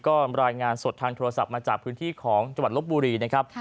ก็รายงานสดทางโทรศัพท์มาจากพื้นที่ของจังหวัดลบบุรีนะครับ